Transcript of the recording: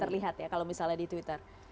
terlihat ya kalau misalnya di twitter